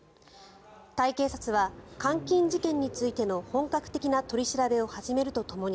タイ警察は監禁事件についての本格的な取り調べを始めるとともに